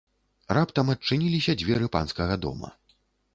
Раптам адчыніліся дзверы панскага дома.